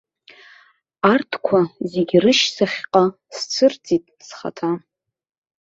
Арҭқәа зегь рышьҭахьҟа сцәырҵит схаҭа.